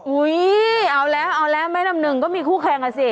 อุ๊ยเอาแล้วเอาแล้วแม่น้ำหนึ่งก็มีคู่แค้นกันสิ